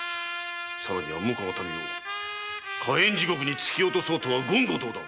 更に無辜の民を火炎地獄に突き落とそうとは言語道断。